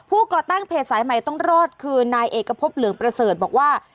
ก่อตั้งเพจสายใหม่ต้องรอดคือนายเอกพบเหลืองประเสริฐบอกว่า